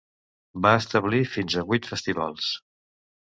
Va establir fins a vuit festivals.